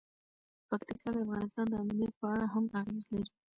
پکتیکا د افغانستان د امنیت په اړه هم اغېز لري.